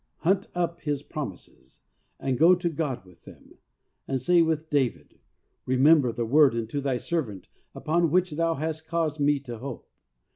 Hunt up His promises, and go to God with them, and say with David, ' Remember the word unto Thy servant upon which Thou hast caused me to hope.